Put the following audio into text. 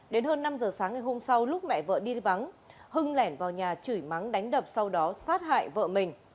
đến hơn năm giờ sáng ngày hôm sau lúc mẹ vợ đi vắng hưng lẻn vào nhà chửi mắng đánh đập sau đó sát hại vợ mình